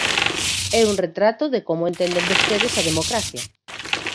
É un retrato de como entenden vostedes a democracia.